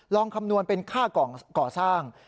คำนวณเป็นค่าก่อสร้าง